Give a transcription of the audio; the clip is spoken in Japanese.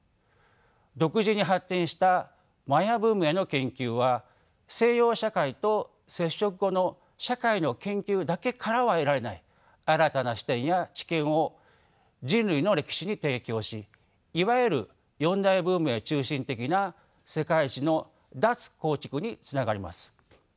独自に発展したマヤ文明の研究は西洋社会と接触後の社会の研究だけからは得られない新たな視点や知見を人類の歴史に提供しいわゆる四大文明中心的な世界史の脱構築につながります。